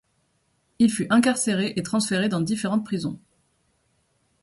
Il fut incarcéré et transféré dans différentes prisons.